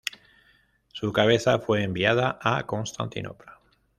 Su cabeza fue enviada a Constantinopla.